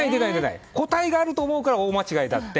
答えがあると思うから大間違いであって。